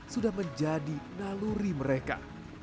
sudah menjadi naluri mereka